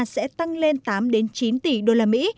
sẽ tăng lên tám chín tỷ đô la mỹ